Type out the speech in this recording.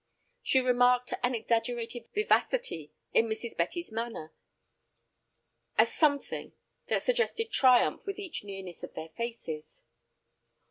She remarked an exaggerated vivacity in Mrs. Betty's manner, a something that suggested triumph with each nearness of their faces.